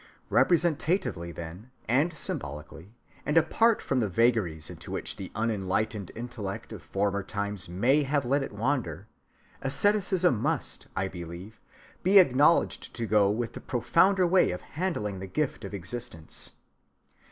Representatively, then, and symbolically, and apart from the vagaries into which the unenlightened intellect of former times may have let it wander, asceticism must, I believe, be acknowledged to go with the profounder way of handling the gift of existence.